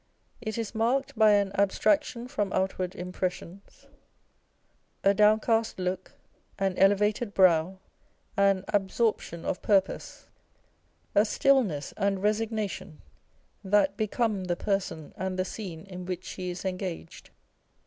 It is marked by an abstraction from outward impressions, a downcast look, an elevated brow, an absorption of purpose, a still ness and resignation, that become the person and the scene in which she is engaged.